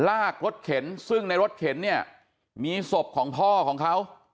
ลากรถเข็นซึ่งในรถเข็นเนี่ยมีศพของพ่อของเขา